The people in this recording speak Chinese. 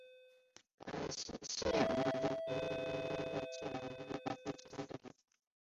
谢尔曼为美国堪萨斯州切罗基县的非建制地区。